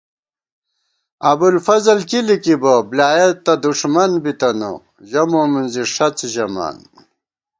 ابُوالفضل کی لِکِبہ، بۡلیایَہ تہ دُݭمن بِتَنہ، ژَہ مومِنزی ݭَڅ ژمان